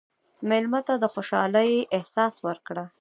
مېلمه ته د خوشحالۍ احساس ورکړه.